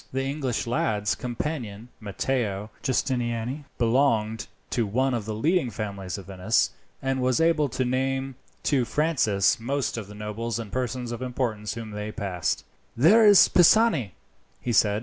The English lad's companion Matteo Giustiniani belonged to one of the leading families of Venice, and was able to name to Francis most of the nobles and persons of importance whom they passed. "There is Pisani," he said.